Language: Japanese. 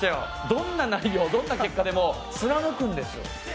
どんな内容どんな結果でも貫くんです笑顔を。